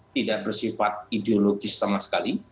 tidak bersifat ideologis sama sekali